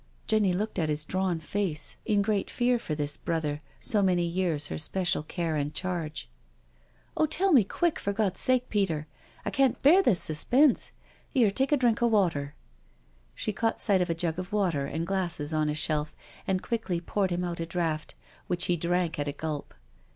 Jenny looked at his drawn face in great 246 NO SURRENDER fear for this brother, so many years her special care and charge. " Oh, tell me quick, for God*s sake, Peter. I can't bear this suspense — here, take a drink a' water.*' She caught sight of a jug of water and glasses on a shelf and quickly poured him out a draught, which he drank at a gulp.